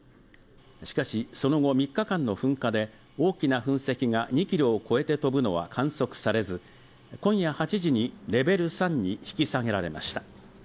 しかしその後３日間の噴火で大きな噴石が２ｋｍを超えて飛ぶのは観測されず今夜８時にレベル３に引き下げられました